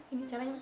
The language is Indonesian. ini caranya mah